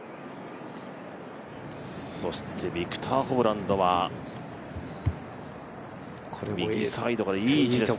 そしてビクター・ホブランドは右サイドからいい位置ですね。